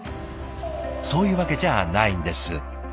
そういうわけじゃあないんです。